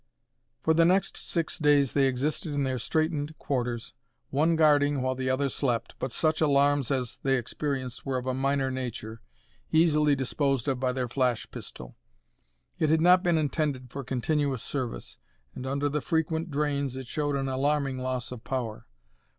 For the next six days they existed in their straitened quarters, one guarding while the other slept, but such alarms as they experienced were of a minor nature, easily disposed of by their flash pistol. It had not been intended for continuous service, and under the frequent drains it showed an alarming loss of power.